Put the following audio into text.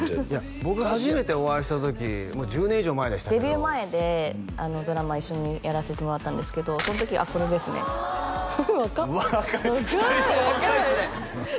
僕が初めてお会いした時もう１０年以上前でしたけどデビュー前でドラマ一緒にやらせてもらったんですけどその時あっこれですね若っ若い２人とも若いですね